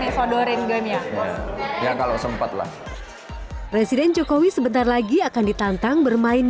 ya sodorin game ya kalau sempat lah presiden jokowi sebentar lagi akan ditantang bermain